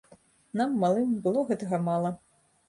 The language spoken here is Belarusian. Нам, малым, было гэтага мала.